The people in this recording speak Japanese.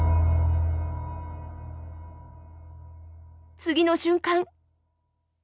次の瞬間。